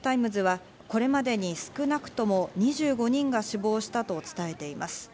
ニューヨーク・タイムズはこれまでに少なくとも２５人が死亡したと伝えています。